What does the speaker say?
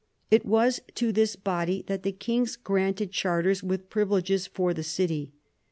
It was to this body that the kings granted charters with privileges for the city.